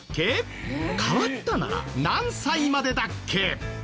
変わったなら何歳までだっけ？